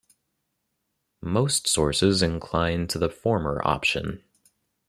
Most sources incline to the former option.